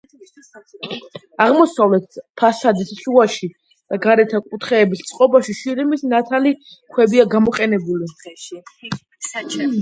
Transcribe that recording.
აღმოსავლეთ ფასადის შუაში და გარეთა კუთხეების წყობაში შირიმის ნათალი ქვებია გამოყენებული.